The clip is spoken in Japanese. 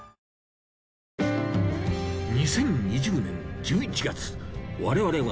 ２０２０年１１月初旬。